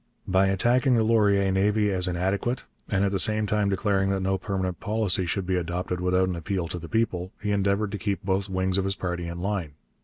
By attacking the Laurier navy as inadequate, and at the same time declaring that no permanent policy should be adopted without an appeal to the people, he endeavoured to keep both wings of his party in line.